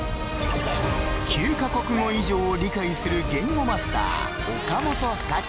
９カ国語以上を理解する言語マスター岡本沙紀